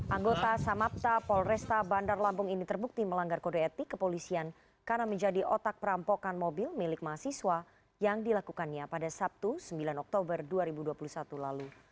anggota samapta polresta bandar lampung ini terbukti melanggar kode etik kepolisian karena menjadi otak perampokan mobil milik mahasiswa yang dilakukannya pada sabtu sembilan oktober dua ribu dua puluh satu lalu